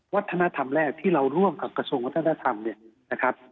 วัฒนธรรมแรกที่เราร่วมกับกระทรวงวัฒนธรรมเนี่ยนะครับ